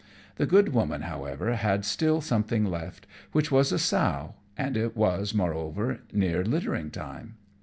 The good woman, however, had still something left, which was a sow; and it was, moreover, near littering time.